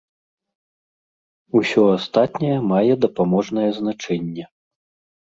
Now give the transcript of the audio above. Усё астатняе мае дапаможнае значэнне.